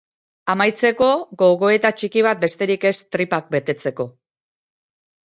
Amaitzeko, gogoeta txiki bat besterik ez tripak betetzeko.